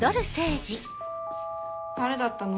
誰だったの？